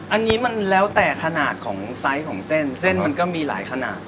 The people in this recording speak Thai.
อันนี้มันแล้วแต่ขนาดของไซส์ของเส้นเส้นมันก็มีหลายขนาด